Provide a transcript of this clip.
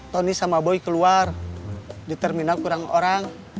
tony sama boy keluar di terminal kurang orang